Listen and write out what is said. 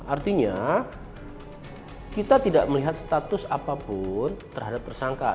artinya kita tidak melihat status apapun terhadap tersangka